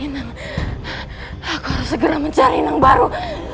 inang aku harus segera mencari inang baru